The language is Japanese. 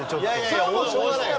それはしょうがないよ。